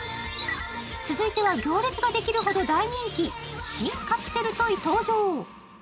続いては行列ができるほど大人気、新カプセルトイ登場。